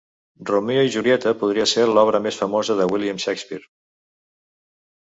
Romeo i Julieta podria ser l'obra més famosa de William Shakespeare.